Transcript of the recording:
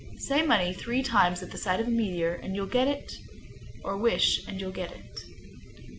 Say "Money" three times at sight of a meteor, and you'll get it, or wish and you'll get it.